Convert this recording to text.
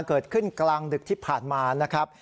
เกิดขึ้นกลางดึกที่ผ่านมานะครับ